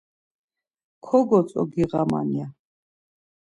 kogotzogiğaman ya.